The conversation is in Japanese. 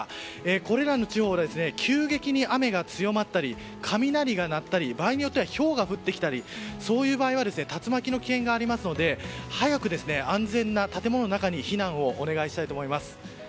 これらの地方で急激に雨が強まったり雷が鳴ったり、場合によってはひょうが降ってきたりそういう場合は竜巻の危険がありますので早く安全な建物の中に避難をお願いしたいと思います。